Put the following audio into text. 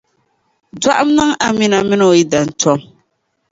Dɔɣim niŋ Amina mini o yidana tom.